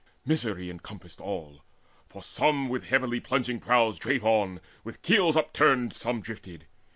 Misery encompassed all; For some with heavily plunging prows drave on, With keels upturned some drifted.